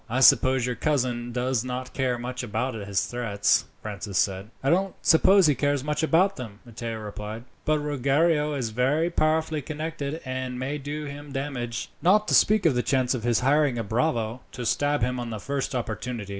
"I suppose your cousin does not care much about his threats," Francis said. "I don't suppose he cares much about them," Matteo replied; "but Ruggiero is very powerfully connected, and may do him damage, not to speak of the chance of his hiring a bravo to stab him on the first opportunity.